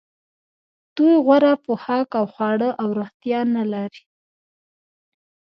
دوی غوره پوښاک او خواړه او روغتیا نلري